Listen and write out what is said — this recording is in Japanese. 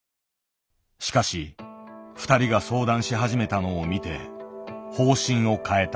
しかし２人が相談し始めたのを見て方針を変えた。